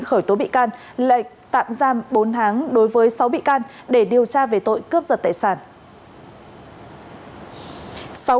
khởi tố bị can lệnh tạm giam bốn tháng đối với sáu bị can để điều tra về tội cướp giật tài sản